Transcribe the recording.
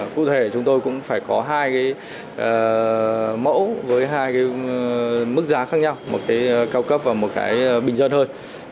cụ thể chúng tôi cũng phải có hai cái mẫu với hai cái mức giá khác nhau một cái cao cấp và một cái bình dân hơn